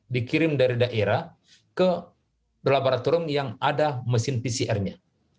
dikirim dari daerah ke laboratorium yang ada mesin pcr nya